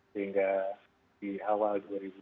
sehingga di awal